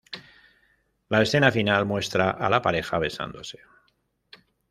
La escena final muestra a la pareja besándose.